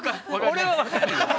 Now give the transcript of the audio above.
俺は分かるよ。